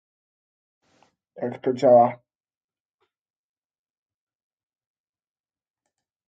Sprawozdanie w sprawie Eurodac stanowi przekształcenie